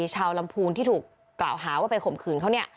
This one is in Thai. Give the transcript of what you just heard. ชาวลำพูนที่ถูกกล่าวหาว่าไปข่มขืนเขาเนี่ย